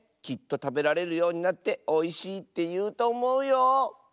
きっとたべられるようになっておいしいっていうとおもうよ。